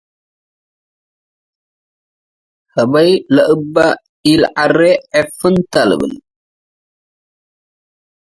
ሀበይ ለእበ ኢለዐሬ ‘‘ዕፍን ታ’’ ልብል፣